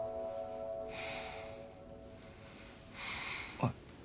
おい。